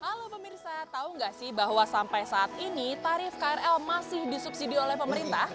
halo pemirsa tahu nggak sih bahwa sampai saat ini tarif krl masih disubsidi oleh pemerintah